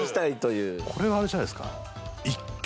これはあれじゃないですか？